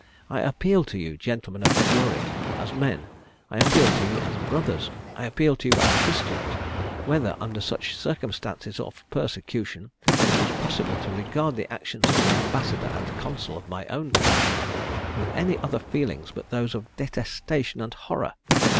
I appeal to you, gentlemen of the jury, as men I appeal to you as brothers I appeal to you as Christians whether, under such circumstances of persecution, it was possible to regard the actions of the ambassador and consul of my own country with any other feelings but those of detestation and horror!